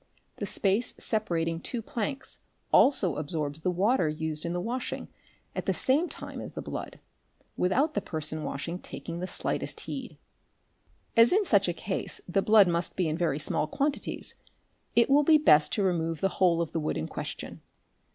The space separating two planks also absorbs the water used in the washing PRESERVATION 7 579 at the same time as the blood, without the person washing taking the 'slightest heed. As in such a case the blood must be in very small quantities it will be best to remove the whole of the wood in question.